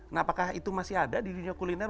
nah apakah itu masih ada di dunia kuliner